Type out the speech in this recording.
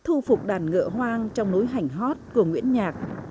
thu phục đàn ngựa hoang trong núi hảnh hót của nguyễn nhạc